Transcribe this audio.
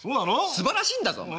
すばらしいんだぞお前。